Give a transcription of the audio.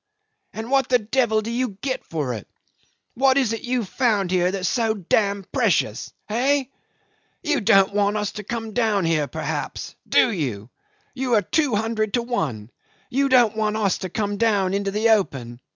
And what the devil do you get for it; what is it you've found here that is so d d precious? Hey? You don't want us to come down here perhaps do you? You are two hundred to one. You don't want us to come down into the open.